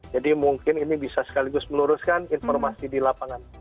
jadi mungkin ini bisa sekaligus meluruskan informasi di lapangan